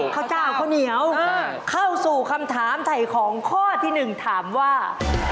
เข้าสู่คำถามถ่ายของข้อที่๑ถามว่า